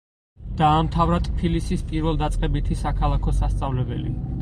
დაამთავრა ტფილისის პირველდაწყებითი საქალაქო სასწავლებელი.